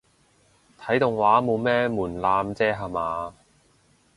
睇動畫冇咩門檻啫吓嘛